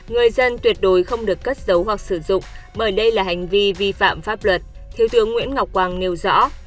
người dân tuyệt đối không được cất giấu hoặc sử dụng bởi đây là hành vi vi phạm pháp luật thiếu tướng nguyễn ngọc quang nêu rõ